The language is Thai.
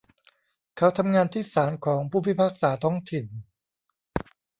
เขาทำงานที่ศาลของผู้พิพากษาท้องถิ่น